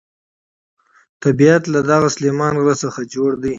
طبیعت له دغه سلیمان غر څخه جوړ دی.